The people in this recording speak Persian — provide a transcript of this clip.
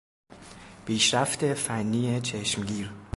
پیشرفت فنی چشمگیر